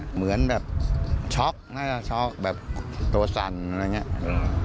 เหมือนแบบช็อคแบบโตสั่นอะไรอย่างนี้